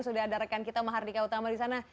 sudah ada rekan kita mahardika utama di sana